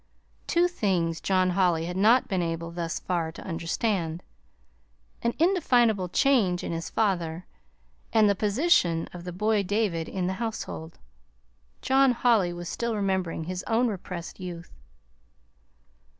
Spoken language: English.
Two things John Holly had not been able thus far to understand: an indefinable change in his father, and the position of the boy David, in the household John Holly was still remembering his own repressed youth.